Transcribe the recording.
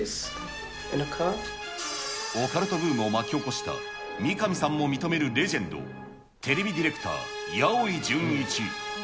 オカルトブームを巻き起こした三上さんも認めるレジェンド、テレビディレクター、矢追純一。